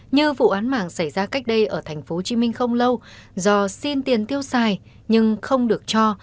như vụ án mạng xảy ra cách đây ở tp hcm không lâu do xin tiền tiêu xài nhưng không được cho